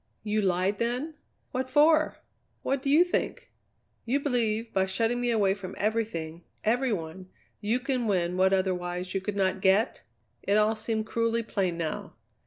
"You lied, then? What for?" "What do you think?" "You believe, by shutting me away from everything, every one, you can win what otherwise you could not get?" It all seemed cruelly plain, now.